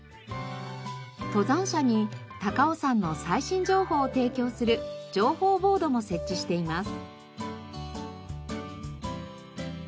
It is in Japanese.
登山者に高尾山の最新情報を提供する情報ボードも設置しています。